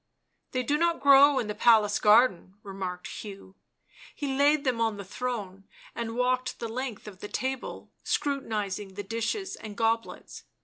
" They do not grow in the palace garden," remarked Hugh ; he laid them on the throne and walked the length of the table, scrutinising the dishes and goblets.